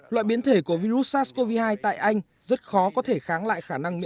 loại biến thể của virus sars cov hai đang đột biến để kháng thuốc hoặc đối phó với hệ miễn dịch của con người